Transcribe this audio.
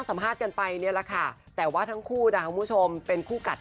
สวัสดีค่ะสวัสดีคุณตำรวจโอ้คุณนางรวจนี่นางเอ๊